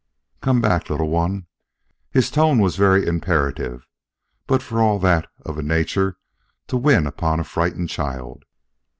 "Come back, little one." His tone was very imperative, but for all that of a nature to win upon a frightened child.